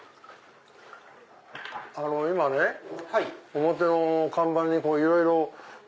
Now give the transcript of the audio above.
今ね表の看板にいろいろ。